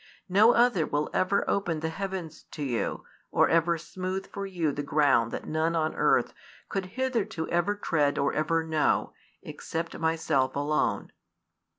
No other will ever open the heavens to you, or ever smooth for you the ground that none on earth could hitherto ever tread or ever know, except Myself alone."